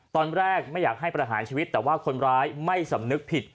ตอนแรกไม่อยากให้ประหารชีวิตแต่ว่าคนร้ายไม่สำนึกผิด